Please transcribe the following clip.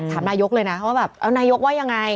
นายกเลยนะว่าแบบเอานายกว่ายังไง